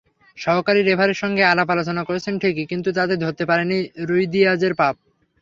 সহকারী রেফারির সঙ্গে আলাপ-আলোচনা করেছেন ঠিকই, কিন্তু তাতে ধরতে পারেননি রুইদিয়াজের পাপ।